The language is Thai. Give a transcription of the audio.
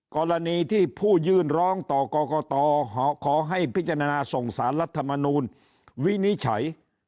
กรณีที่ผู้ยื่นร้องต่อกรกตขอให้พิจารณาส่งสารรัฐมนูลวินิจฉัย